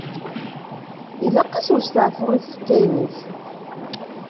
Ilaq-as westaɛfu i tfekka-inek.